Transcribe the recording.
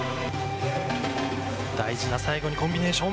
大事な最後のコンビネーション。